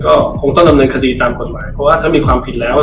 ก็คงต้องดำเนินคดีตามกฎหมายเพราะว่าถ้ามีความผิดแล้ว